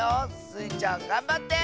スイちゃんがんばって！